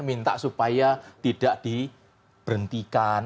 minta supaya tidak diberhentikan